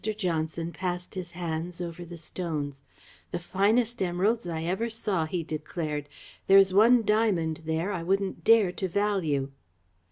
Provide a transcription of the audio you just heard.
Johnson passed his hands over the stones. "The finest emeralds I ever saw," he declared. "There is one diamond there I wouldn't dare to value.